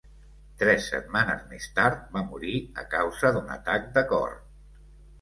Tres setmanes més tard va morir a causa d'un atac de cor.